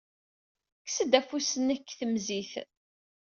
Kkes-d afus-nnek seg temzit.